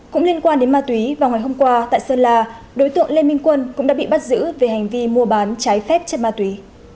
cũng liên quan đến ma túy vào ngày hôm qua tại sơn la đối tượng lê minh quân cũng đã bị bắt giữ về hành vi mua bán trái phép chất ma túy